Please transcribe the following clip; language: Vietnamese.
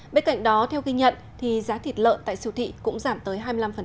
bên cạnh đó theo ghi nhận giá thịt lợn tại siêu thị cũng giảm tới hai mươi năm